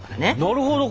なるほど。